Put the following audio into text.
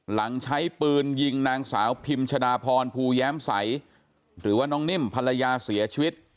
หลังใช้ปืนยิงนางสาวพิมชดาพรภูแย้มใสหรือว่าน้องนิ่มภรรยาเสียชีวิต